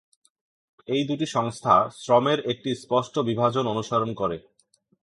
এই দুটি সংস্থা শ্রমের একটি স্পষ্ট বিভাজন অনুসরণ করে।